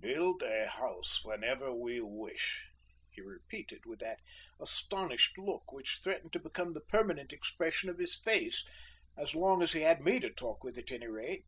"Build a house whenever we wish!" he repeated, with that astonished look which threatened to become the permanent expression of his face so long as he had me to talk with, at any rate.